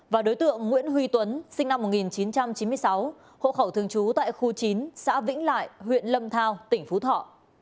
và đối tượng nguyễn huy tuấn sinh năm một nghìn chín trăm chín mươi sáu hộ khẩu thường trú tại khu chín xã vĩnh lại huyện lâm thao tỉnh phú thọ